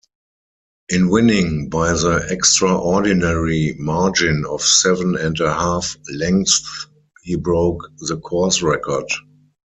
In winning by the extraordinary margin of seven-and-a-half lengths he broke the course record.